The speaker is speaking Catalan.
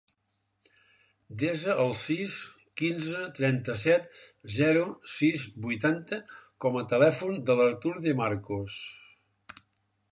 Desa el sis, quinze, trenta-set, zero, sis, vuitanta com a telèfon de l'Artur De Marcos.